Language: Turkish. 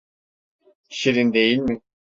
Şirin değil mi?